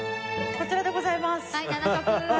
こちらでございます。